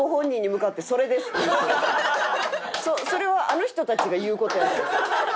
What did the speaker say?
それはあの人たちが言う事やから。